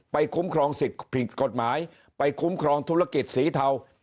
คุ้มครองสิทธิ์ผิดกฎหมายไปคุ้มครองธุรกิจสีเทา